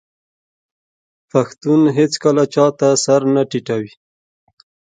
پښتون هیڅکله چا ته سر نه ټیټوي.